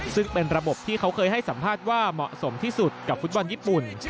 ซึ่งเป็นระบบที่เขาเคยให้สัมภาษณ์ว่าเหมาะสมที่สุดกับฟุตบอลญี่ปุ่น